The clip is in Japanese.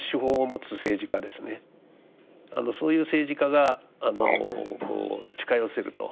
そういう政治家があのこう近寄せると。